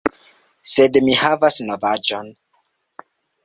... Sed mi havas novaĵon